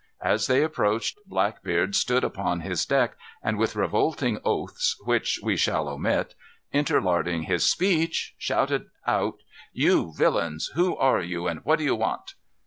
As they approached, Blackbeard stood upon his deck, and with revolting oaths, which we shall omit, interlarding his speech, shouted out: "You villains, who are you, and what do you want?"